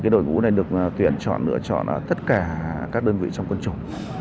đội ngũ này được tuyển chọn lựa chọn ở tất cả các đơn vị trong côn trùng